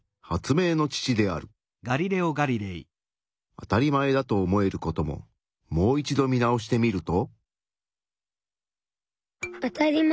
あたりまえだと思えることももう一度見直してみると？